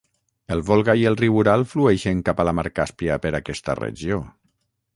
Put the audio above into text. El Volga i el riu Ural flueixen cap a la mar Càspia per aquesta regió.